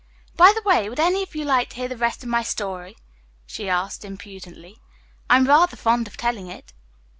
By the way, would any of you like to hear the rest of my story?" she asked impudently. "I'm rather fond of telling it."